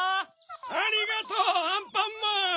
ありがとうアンパンマン！